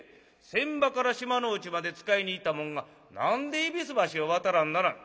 船場から島之内まで使いに行った者が何で戎橋を渡らんならん。